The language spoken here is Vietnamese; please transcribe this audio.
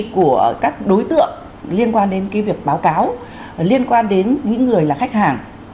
các đối tượng liên quan đến cái việc báo cáo liên quan đến những người là khách hàng